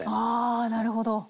あなるほど。